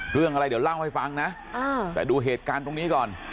เรื่องอะไรเดี๋ยวเล่าให้ฟังนะแต่ดูเหตุการณ์ตรงนี้ก่อน